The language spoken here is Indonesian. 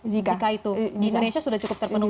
jika itu di indonesia sudah cukup terpenuhi